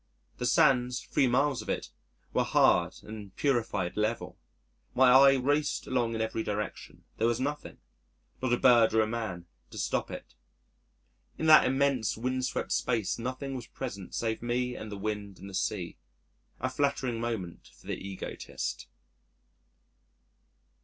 The sands 3 miles of it were hard and purified, level. My eye raced along in every direction there was nothing not a bird or a man to stop it. In that immense windswept space nothing was present save me and the wind and the sea a flattering moment for the egotist.